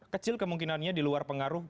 kecil kemungkinannya di luar pengaruh